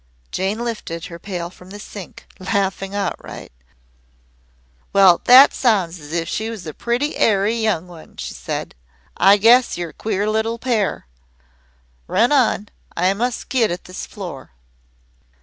Jane lifted her pail from the sink, laughing outright. "Well, that sounds as if she was a pretty airy young one," she said. "I guess you're a queer little pair. Run on. I must get at this floor."